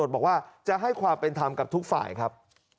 บอกว่าจะให้ความเป็นธรรมกับทุกฝ่ายครับ